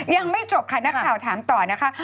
ยังไม่จบค่ะนักข่าวถามต่อนะคะ